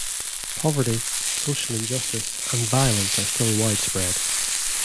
Poverty, social injustice and violence are still widespread.